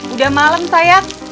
udah malem sayang